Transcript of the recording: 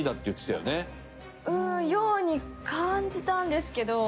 ように感じたんですけど。